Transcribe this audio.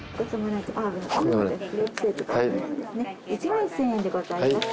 １万１，０００円でございます。